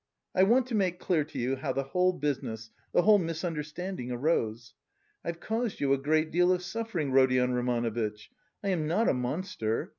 I want to make clear to you how the whole business, the whole misunderstanding arose. I've caused you a great deal of suffering, Rodion Romanovitch. I am not a monster.